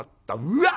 「うわ！